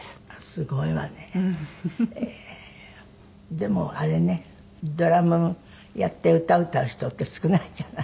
でもあれねドラムやって歌を歌う人って少ないじゃない？